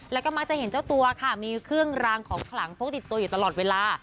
แล้วก็มักจะเห็นเจ้าตัวค่ะมีเครื่องรางของขลังพกติดตัวอยู่ตลอดเวลา